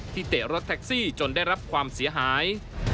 เตะรถแท็กซี่จนได้รับความเสียหาย